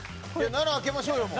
７開けましょうよもう。